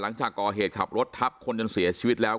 หลังจากก่อเหตุขับรถทับคนจนเสียชีวิตแล้ว